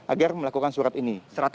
agar melakukan surat ini